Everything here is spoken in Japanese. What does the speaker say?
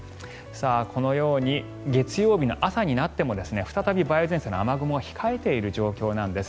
このように月曜日の朝になっても再び梅雨前線の雨雲が控えている状況なんです。